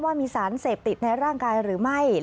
ว่ามีสารเสพติดในร่างกายหรือไม่